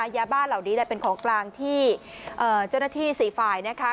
ยาบ้าเหล่านี้แหละเป็นของกลางที่เจ้าหน้าที่๔ฝ่ายนะคะ